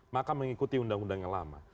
maka mengikuti undang undang yang lama